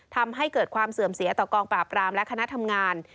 ทำให้เกิดความเสื่อมเสียต่อกองปราบรามและคณะทำงาน